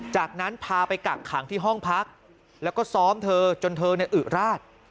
จากนั้นพาไปกักขังที่ห้องพักแล้วก็ซ้อมเธอจนเธอเนี่ยอึราช